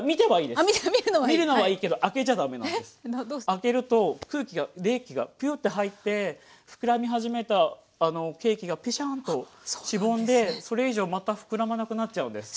開けると空気が冷気がピューって入ってふくらみ始めたケーキがペシャンとしぼんでそれ以上またふくらまなくなっちゃうんです。